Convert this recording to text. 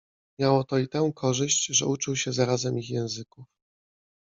Miało to i tę korzyść, że uczył się zarazem ich języków.